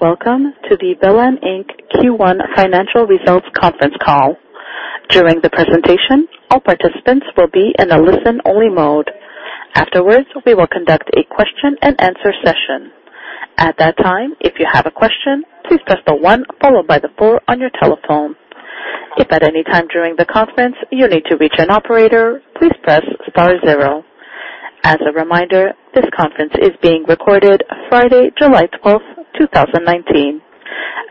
Welcome to the Velan Inc. Q1 financial results conference call. During the presentation, all participants will be in a listen-only mode. Afterwards, we will conduct a question-and-answer session. At that time, if you have a question, please press the one followed by the four on your telephone. If at any time during the conference, you need to reach an operator, please press star zero. As a reminder, this conference is being recorded Friday, July 12th, 2019.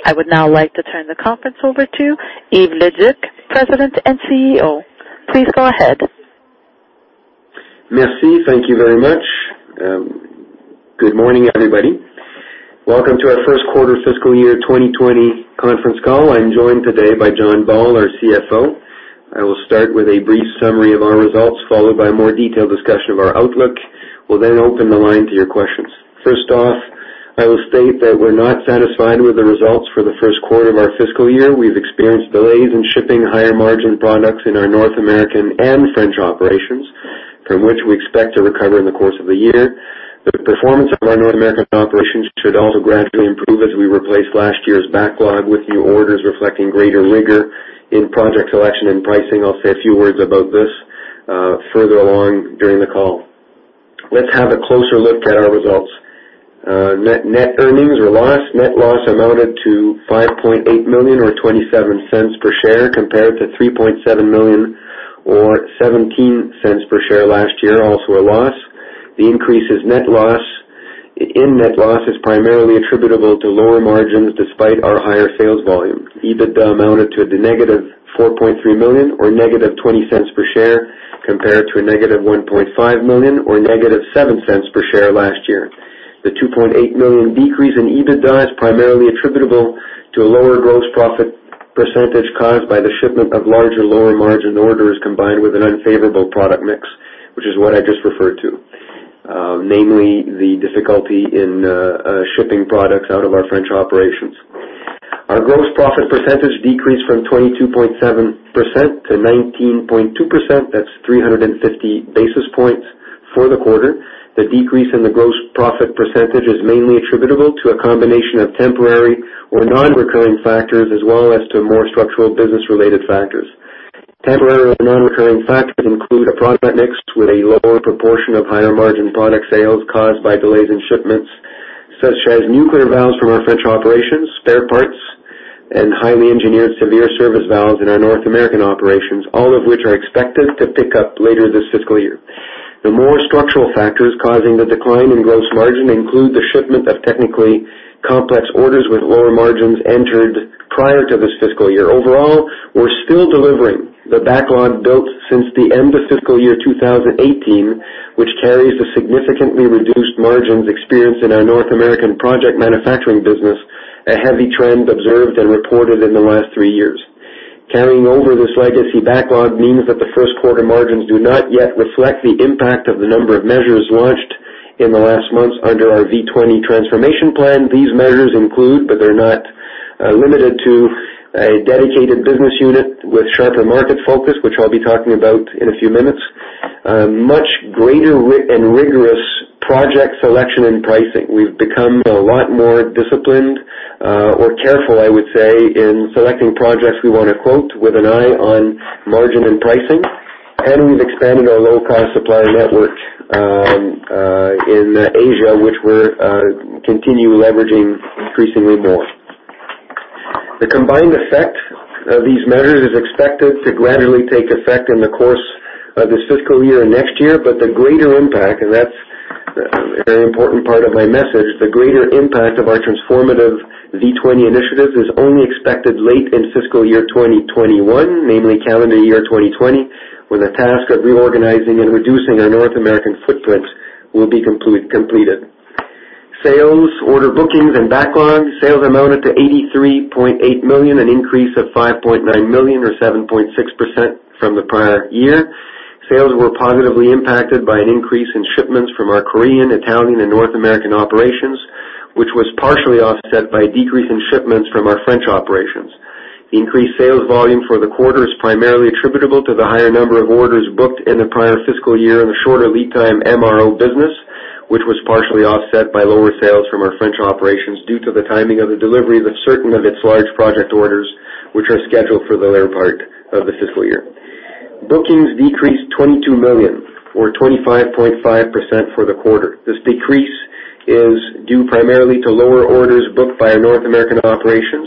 I would now like to turn the conference over to Yves Leduc, President and CEO. Please go ahead. Merci. Thank you very much. Good morning, everybody. Welcome to our first quarter fiscal year 2020 conference call. I'm joined today by John Ball, our CFO. I will start with a brief summary of our results, followed by a more detailed discussion of our outlook. We'll open the line to your questions. First off, I will state that we're not satisfied with the results for the first quarter of our fiscal year. We've experienced delays in shipping higher-margin products in our North American and French operations, from which we expect to recover in the course of the year. The performance of our North American operations should also gradually improve as we replace last year's backlog with new orders reflecting greater rigor in project selection and pricing. I'll say a few words about this further along during the call. Let's have a closer look at our results. Net earnings or loss. Net loss amounted to $5.8 million or $0.27 per share compared to $3.7 million or $0.17 per share last year, also a loss. The increase in net loss is primarily attributable to lower margins despite our higher sales volume. EBITDA amounted to -$4.3 million or -$0.20 per share compared to -$1.5 million or -$0.07 per share last year. The $2.8 million decrease in EBITDA is primarily attributable to a lower gross profit percentage caused by the shipment of larger, lower-margin orders combined with an unfavorable product mix, which is what I just referred to, namely the difficulty in shipping products out of our French operations. Our gross profit percentage decreased from 22.7%-9.2%. That's 350 basis points for the quarter. The decrease in the gross profit percentage is mainly attributable to a combination of temporary or non-recurring factors as well as to more structural business-related factors. Temporary or non-recurring factors include a product mix with a lower proportion of higher-margin product sales caused by delays in shipments, such as nuclear valves from our French operations, spare parts, and highly engineered severe service valves in our North American operations, all of which are expected to pick up later this fiscal year. The more structural factors causing the decline in gross margin include the shipment of technically complex orders with lower margins entered prior to this fiscal year. Overall, we're still delivering the backlog built since the end of fiscal year 2018, which carries the significantly reduced margins experienced in our North American project manufacturing business, a heavy trend observed and reported in the last three years. Carrying over this legacy backlog means that the first quarter margins do not yet reflect the impact of the number of measures launched in the last months under our V20 transformation plan. These measures include, but they're not limited to, a dedicated business unit with sharper market focus, which I'll be talking about in a few minutes. A much greater and rigorous project selection and pricing. We've become a lot more disciplined or careful, I would say, in selecting projects we want to quote with an eye on margin and pricing, and we've expanded our low-cost supply network in Asia, which we're continuing leveraging increasingly more. The combined effect of these measures is expected to gradually take effect in the course of this fiscal year and next year, but the greater impact, and that's a very important part of my message, the greater impact of our transformative V20 initiative is only expected late in fiscal year 2021, namely calendar year 2020, when the task of reorganizing and reducing our North American footprint will be completed. Sales, order bookings, and backlog. Sales amounted to 83.8 million, an increase of 5.9 million or 7.6% from the prior year. Sales were positively impacted by an increase in shipments from our Korean, Italian, and North American operations, which was partially offset by a decrease in shipments from our French operations. Increased sales volume for the quarter is primarily attributable to the higher number of orders booked in the prior fiscal year and the shorter lead time MRO business, which was partially offset by lower sales from our French operations due to the timing of the delivery of certain of its large project orders, which are scheduled for the later part of the fiscal year. Bookings decreased 22 million or 25.5% for the quarter. This decrease is due primarily to lower orders booked by our North American operations,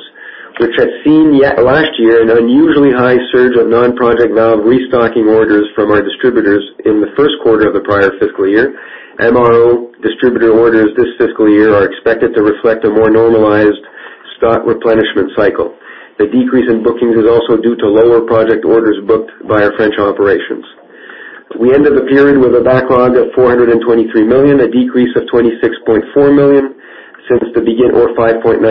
which had seen last year an unusually high surge of non-project valve restocking orders from our distributors in the first quarter of the prior fiscal year. MRO distributor orders this fiscal year are expected to reflect a more normalized stock replenishment cycle. The decrease in bookings is also due to lower project orders booked by our French operations. We ended the period with a backlog of 423 million, a decrease of 26.4 million or 5.9%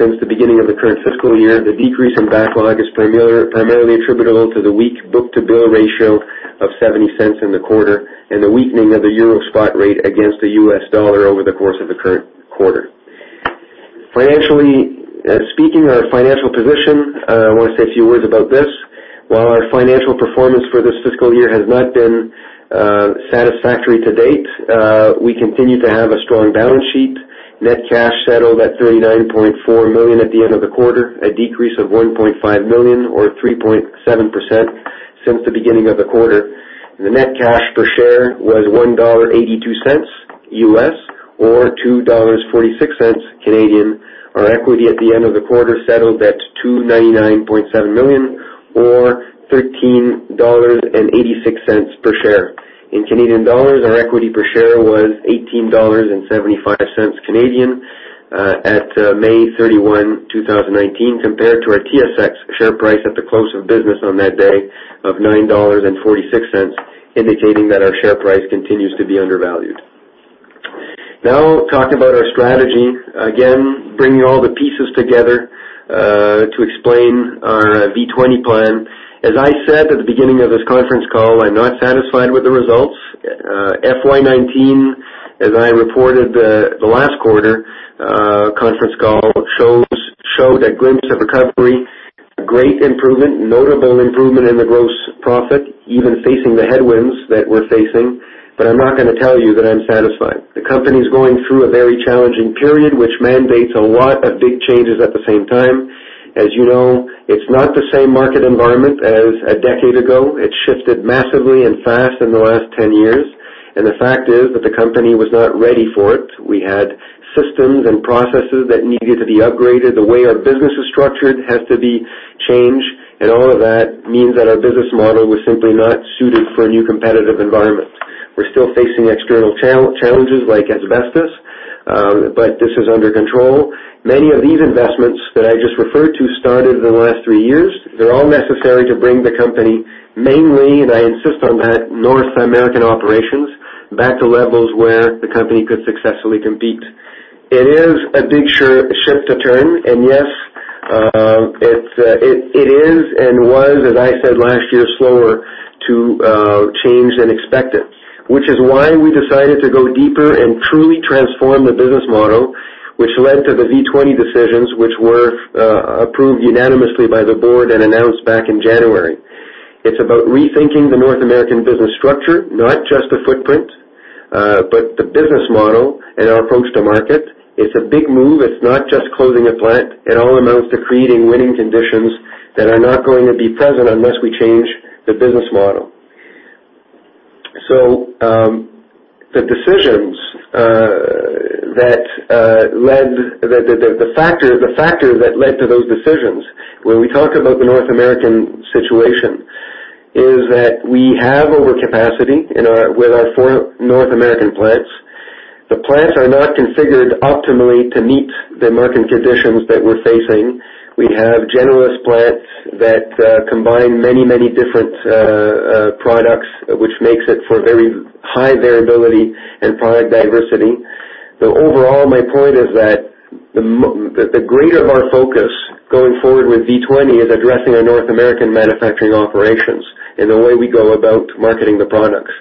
since the beginning of the current fiscal year. The decrease in backlog is primarily attributable to the weak book-to-bill ratio of 0.70 in the quarter and the weakening of the EUR spot rate against the USD over the course of the current quarter. Financially speaking, our financial position. I want to say a few words about this. While our financial performance for this fiscal year has not been satisfactory to date, we continue to have a strong balance sheet. Net cash settled at 39.4 million at the end of the quarter, a decrease of 1.5 million or 3.7% since the beginning of the quarter. The net cash per share was USD $1.82 or 2.46 Canadian dollars. Our equity at the end of the quarter settled at 299.7 million or 13.86 dollars per share. In Canadian dollars, our equity per share was 18.75 Canadian dollars at May 31, 2019, compared to our TSX share price at the close of business on that day of 9.46 dollars, indicating that our share price continues to be undervalued. Talk about our strategy. Again, bringing all the pieces together to explain our V20 plan. As I said at the beginning of this conference call, I'm not satisfied with the results. FY 2019, as I reported the last quarter conference call, showed a glimpse of recovery, a great improvement, notable improvement in the gross profit, even facing the headwinds that we're facing. I'm not going to tell you that I'm satisfied. The company is going through a very challenging period, which mandates a lot of big changes at the same time. As you know, it's not the same market environment as a decade ago. It shifted massively and fast in the last 10 years, the fact is that the company was not ready for it. We had systems and processes that needed to be upgraded. The way our business is structured has to be changed, all of that means that our business model was simply not suited for a new competitive environment. We're still facing external challenges like asbestos, but this is under control. Many of these investments that I just referred to started in the last three years. They're all necessary to bring the company, mainly, and I insist on that, North American operations, back to levels where the company could successfully compete. It is a big shift to turn, yes, it is and was, as I said last year, slower to change than expected, which is why we decided to go deeper and truly transform the business model, which led to the V20 decisions, which were approved unanimously by the board and announced back in January. It's about rethinking the North American business structure, not just the footprint, but the business model and our approach to market. It's a big move. It's not just closing a plant. It all amounts to creating winning conditions that are not going to be present unless we change the business model. The factor that led to those decisions, when we talk about the North American situation, is that we have overcapacity with our four North American plants. The plants are not configured optimally to meet the market conditions that we're facing. We have generous plants that combine many different products, which makes it for very high variability and product diversity. Overall, my point is that the greater our focus going forward with V20 is addressing our North American manufacturing operations and the way we go about marketing the products.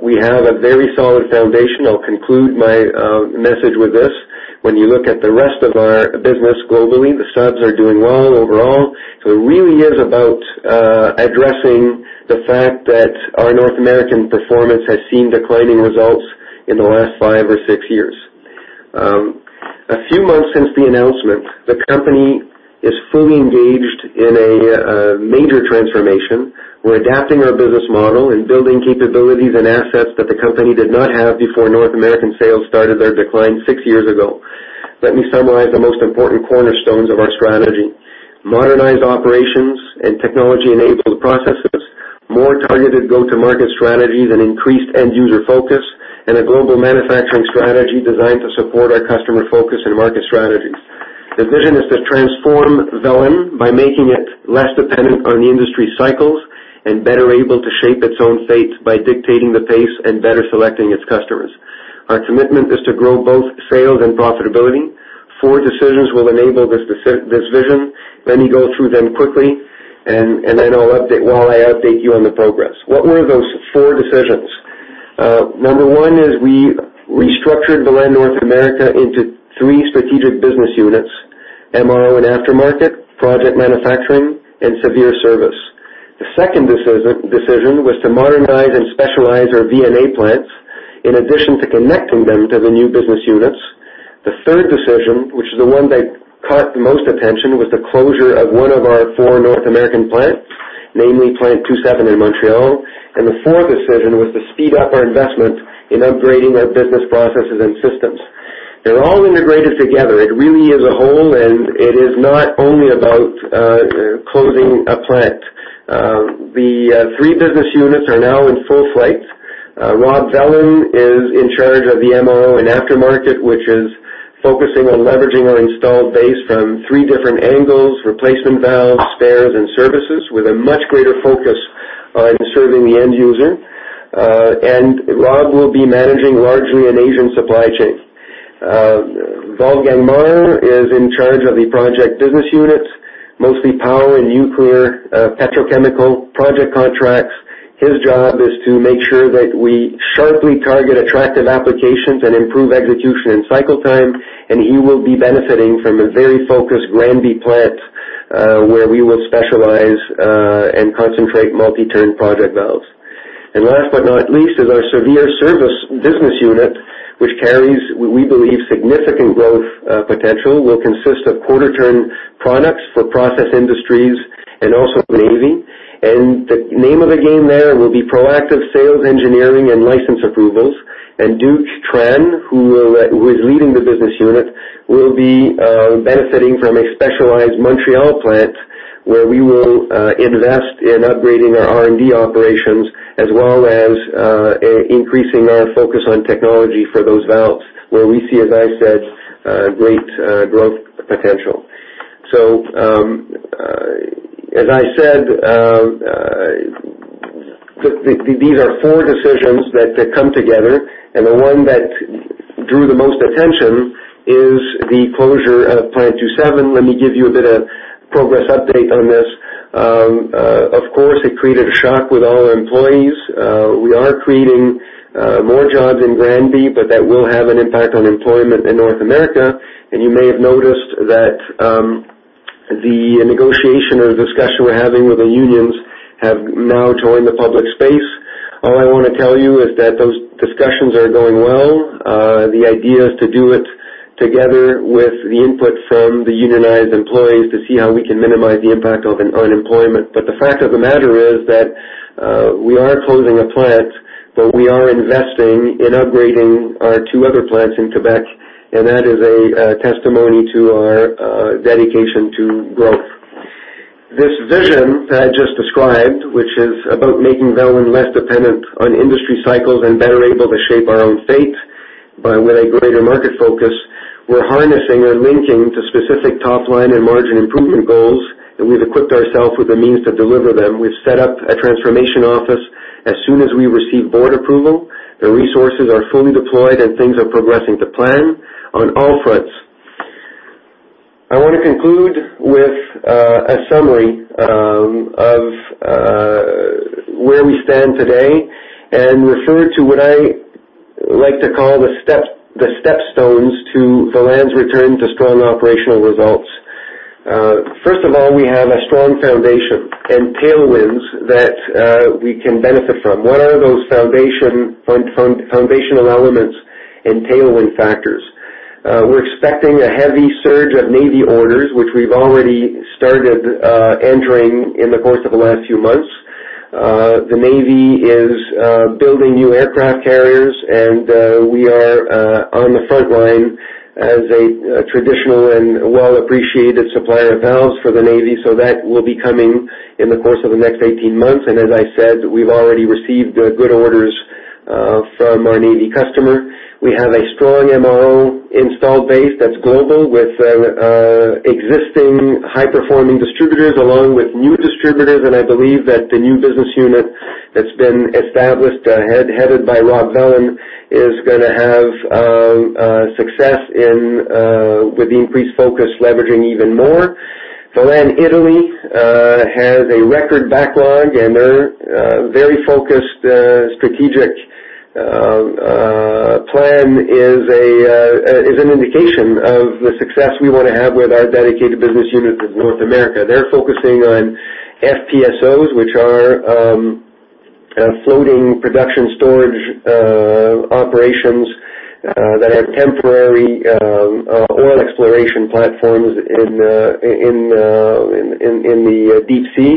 We have a very solid foundation. I'll conclude my message with this. When you look at the rest of our business globally, the subs are doing well overall. It really is about addressing the fact that our North American performance has seen declining results in the last five or six years. A few months since the announcement, the company is fully engaged in a major transformation. We're adapting our business model and building capabilities and assets that the company did not have before North American sales started their decline six years ago. Let me summarize the most important cornerstones of our strategy. Modernized operations and technology-enabled processes, more targeted go-to-market strategies and increased end-user focus, and a global manufacturing strategy designed to support our customer focus and market strategies. The vision is to transform Velan by making it less dependent on industry cycles and better able to shape its own fate by dictating the pace and better selecting its customers. Our commitment is to grow both sales and profitability. Four decisions will enable this vision. Let me go through them quickly, and then I'll update you on the progress. What were those four decisions? Number one is we restructured Velan North America into three strategic business units: MRO and aftermarket, project manufacturing, and severe service. The second decision was to modernize and specialize our VNA plants, in addition to connecting them to the new business units. The third decision, which is the one that caught the most attention, was the closure of one of our four North American plants, namely Plant 27 in Montreal. The fourth decision was to speed up our investment in upgrading our business processes and systems. They're all integrated together. It really is a whole, and it is not only about closing a plant. The three business units are now in full flight. Rob Velan is in charge of the MRO and aftermarket, which is focusing on leveraging our installed base from three different angles, replacement valves, spares, and services, with a much greater focus on serving the end user. Rob will be managing largely an Asian supply chain. Wolfgang Maar is in charge of the project business unit. Mostly power and nuclear petrochemical project contracts. His job is to make sure that we sharply target attractive applications and improve execution and cycle time. He will be benefiting from a very focused Granby plant, where we will specialize and concentrate multi-turn project valves. Last but not least, is our severe service business unit, which carries, we believe, significant growth potential, will consist of quarter-turn products for process industries and also the Navy. The name of the game there will be proactive sales engineering and license approvals. Duc Tran, who is leading the business unit, will be benefiting from a specialized Montreal plant, where we will invest in upgrading our R&D operations as well as increasing our focus on technology for those valves, where we see, as I said, great growth potential. As I said, these are four decisions that come together, and the one that drew the most attention is the closure of Plant 27. Let me give you a bit of progress update on this. Of course, it created a shock with all our employees. We are creating more jobs in Granby, but that will have an impact on employment in North America. You may have noticed that the negotiation or the discussion we're having with the unions have now joined the public space. All I want to tell you is that those discussions are going well. The idea is to do it together with the input from the unionized employees to see how we can minimize the impact of unemployment. The fact of the matter is that we are closing a plant, but we are investing in upgrading our two other plants in Quebec, and that is a testimony to our dedication to growth. This vision that I just described, which is about making Velan less dependent on industry cycles and better able to shape our own fate, but with a greater market focus, we're harnessing or linking to specific top-line and margin improvement goals, and we've equipped ourselves with the means to deliver them. We've set up a transformation office as soon as we receive board approval. The resources are fully deployed and things are progressing to plan on all fronts. I want to conclude with a summary of where we stand today and refer to what I like to call the step stones to Velan's return to strong operational results. First of all, we have a strong foundation and tailwinds that we can benefit from. What are those foundational elements and tailwind factors? We're expecting a heavy surge of Navy orders, which we've already started entering in the course of the last few months. The Navy is building new aircraft carriers, and we are on the front line as a traditional and well-appreciated supplier of valves for the Navy. That will be coming in the course of the next 18 months. As I said, we've already received good orders from our Navy customer. We have a strong MRO installed base that's global, with existing high-performing distributors, along with new distributors. I believe that the new business unit that's been established, headed by Rob Velan, is going to have success with the increased focus leveraging even more. Velan Italy has a record backlog, and their very focused strategic plan is an indication of the success we want to have with our dedicated business unit in North America. They're focusing on FPSOs, which are floating production storage operations that have temporary oil exploration platforms in the deep sea.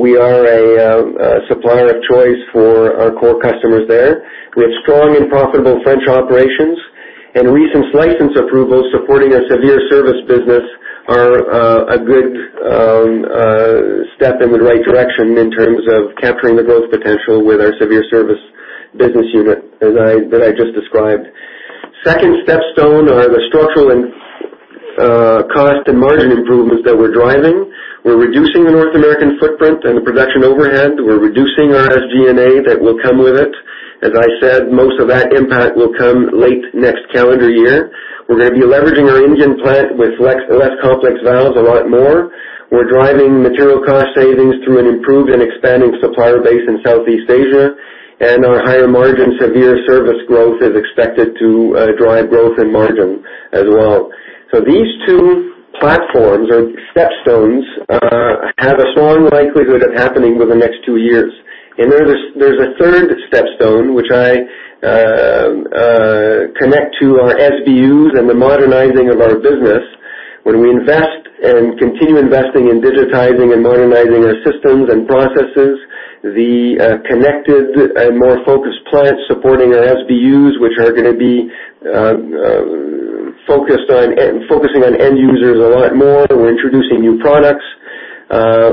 We are a supplier of choice for our core customers there. We have strong and profitable French operations, and recent license approvals supporting our severe service business are a good step in the right direction in terms of capturing the growth potential with our severe service business unit that I just described. Second stepstone are the structural and cost and margin improvements that we're driving. We're reducing the North American footprint and the production overhead. We're reducing our SG&A that will come with it. As I said, most of that impact will come late next calendar year. We're going to be leveraging our Indian plant with less complex valves a lot more. We're driving material cost savings through an improved and expanding supplier base in Southeast Asia. Our higher margin severe service growth is expected to drive growth in margin as well. These two platforms or stepstones have a strong likelihood of happening over the next two years. There's a third stepstone, which I connect to our SBUs and the modernizing of our business. When we invest and continue investing in digitizing and modernizing our systems and processes, the connected and more focused plants supporting our SBUs, which are going to be focusing on end users a lot more. We're introducing new products.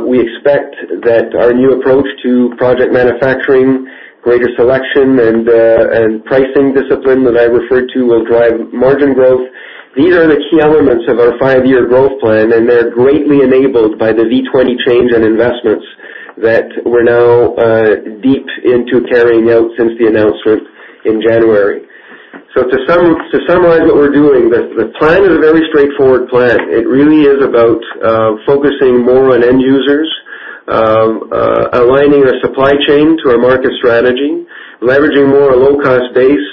We expect that our new approach to project manufacturing, greater selection, and pricing discipline that I referred to will drive margin growth. These are the key elements of our five-year growth plan, and they're greatly enabled by the V20 change in investments that we're now deep into carrying out since the announcement in January. To summarize what we're doing, the plan is a very straightforward plan. It really is about focusing more on end users, aligning our supply chain to our market strategy, leveraging more a low-cost base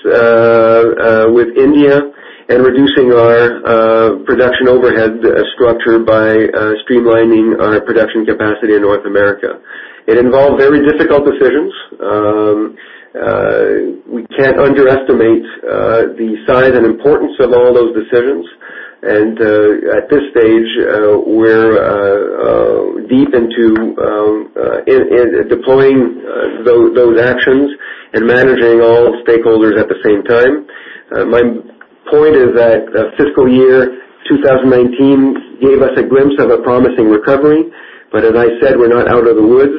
with India, and reducing our production overhead structure by streamlining our production capacity in North America. It involved very difficult decisions. We can't underestimate the size and importance of all those decisions, and at this stage, we're deep into deploying those actions and managing all stakeholders at the same time. My point is that fiscal year 2019 gave us a glimpse of a promising recovery, as I said, we're not out of the woods.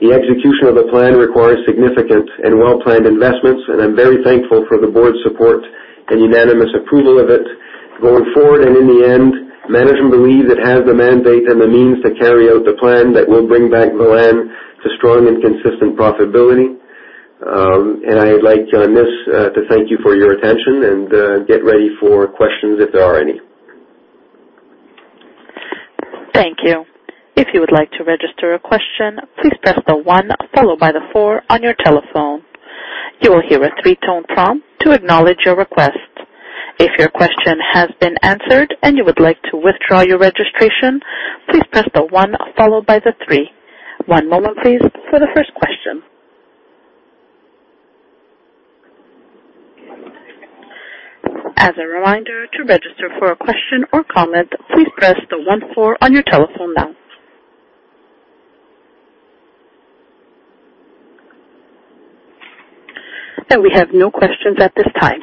The execution of the plan requires significant and well-planned investments, I'm very thankful for the board's support and unanimous approval of it. Going forward, in the end, management believes it has the mandate and the means to carry out the plan that will bring back Velan to strong and consistent profitability. I'd like, on this, to thank you for your attention and get ready for questions if there are any. Thank you. If you would like to register a question, please press the one followed by the four on your telephone. You will hear a three-tone prompt to acknowledge your request. If your question has been answered and you would like to withdraw your registration, please press the one followed by the three. One moment, please, for the first question. As a reminder, to register for a question or comment, please press the one four on your telephone now. We have no questions at this time.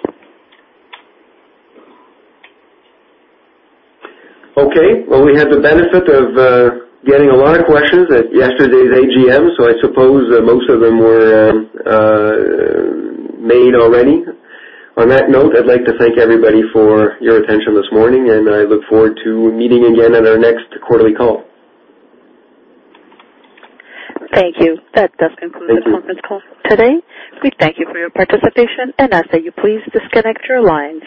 Well, we had the benefit of getting a lot of questions at yesterday's AGM, I suppose most of them were made already. On that note, I'd like to thank everybody for your attention this morning, I look forward to meeting again on our next quarterly call. Thank you. That does conclude. Thank you. This conference call today. We thank you for your participation and ask that you please disconnect your lines.